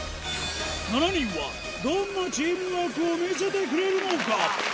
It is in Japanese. ７人はどんなチームワークを見せてくれるのか？